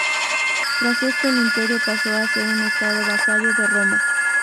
Tras esto el imperio pasó a ser un estado vasallo de Roma.